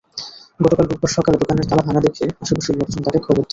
গতকাল রোববার সকালে দোকানের তালা ভাঙা দেখে আশপাশের লোকজন তাঁকে খবর দেন।